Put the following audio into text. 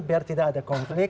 harus lagi untuk